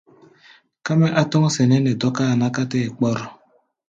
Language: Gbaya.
Ká mɛ́ á tɔ́ŋ sɛnɛ́ nɛ dɔ́káa ná ká tɛ́ɛ kpɔ́r.